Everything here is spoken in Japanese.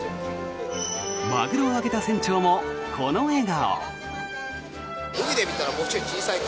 マグロを揚げた船長もこの笑顔。